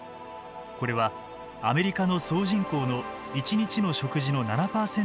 これはアメリカの総人口の１日の食事の７％に相当する量です。